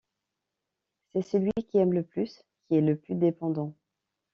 C’est celui qui aime le plus qui est le plus dépendant.